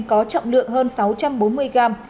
có trọng lượng hơn sáu trăm bốn mươi g